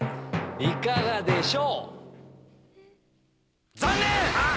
いかがでしょう？